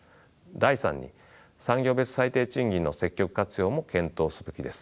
第３に「産業別最低賃金の積極活用」も検討すべきです。